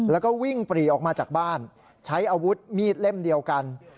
แล้วก็วิ่งปรีออกมาจากบ้านใช้อาวุธมีดเล่มเดียวกัน